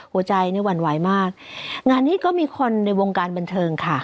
หัวใจเนี่ยหวั่นไหวมากงานนี้ก็มีคนในวงการบันเทิงค่ะ